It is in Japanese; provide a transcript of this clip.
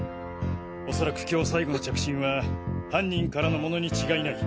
おそらく今日最後の着信は犯人からのものに違いない。